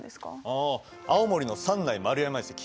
ああ青森の三内丸山遺跡。